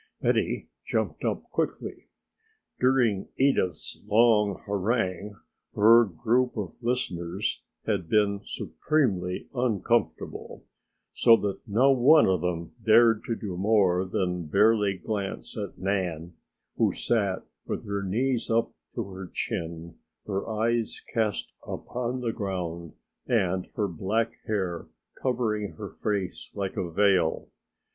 Betty jumped up quickly. During Edith's long harangue her group of listeners had been supremely uncomfortable, so that no one of them dared do more than barely glance at Nan, who sat with her knees up to her chin, her eyes cast upon the ground and her black hair covering her face like a veil.